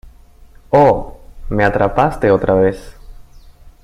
¡ Oh! Me atrapaste otra vez.